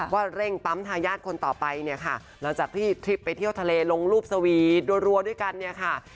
ว่าเร่งปั๊มทายาทคนต่อไปเนี่ยค่ะหลังจากที่ทริปไปเที่ยวทะเลลงรูปสวีรัวด้วยกันเนี่ยค่ะ